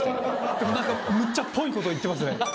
でも何かむっちゃっぽいこと言ってますね。